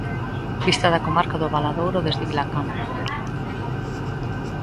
Vista da comarca do Valadouro desde Vilacampa.